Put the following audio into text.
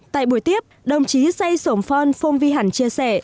tại buổi tiếp đồng chí say sổng phong phong vi hẳn chia sẻ